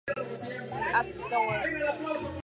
Act Tower